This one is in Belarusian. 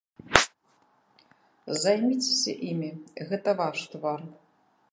Займіцеся імі, гэта ваш твар.